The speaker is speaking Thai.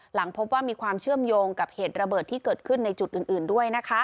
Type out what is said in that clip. หลังพบว่ามีความเชื่อมโยงกับเหตุระเบิดที่เกิดขึ้นในจุดอื่นด้วย